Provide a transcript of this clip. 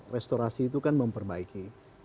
restorasi itu kan memperbaiki